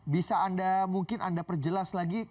bisa anda mungkin anda perjelas lagi